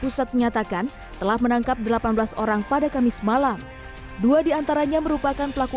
pusat menyatakan telah menangkap delapan belas orang pada kamis malam dua diantaranya merupakan pelaku